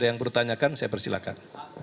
yang bertanyakan saya persilahkan